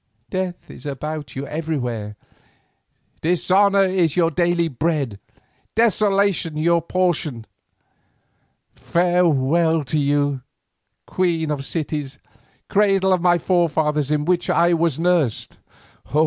Death is about you everywhere, dishonour is your daily bread, desolation is your portion. Farewell to you, queen of the cities, cradle of my forefathers in which I was nursed!"